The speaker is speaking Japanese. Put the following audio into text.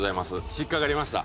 引っ掛かりました。